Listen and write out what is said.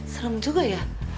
serem juga ya